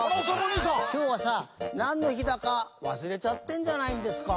きょうはさなんのひだかわすれちゃってんじゃないんですか？